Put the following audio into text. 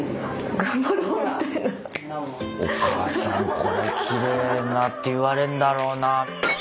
おかあさんこれきれいなって言われんだろうな。